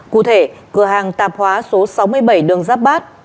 cụ thể cửa hàng tạp hóa số sáu mươi bảy đường giáp bát